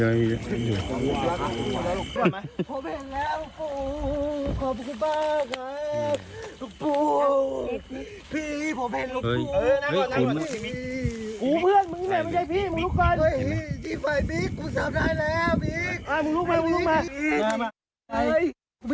ไอ้ไม่รู้เป็นอะไร